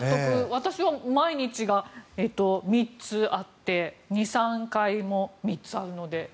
私は毎日が３つあって２３回も３つあるので。